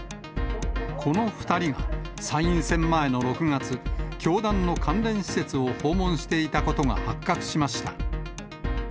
この２人が、参院選前の６月、教団の関連施設を訪問していたことが発覚しました。